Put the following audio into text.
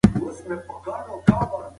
ټیکنالوژي په ټولنه کې د جهالت مخه نیسي.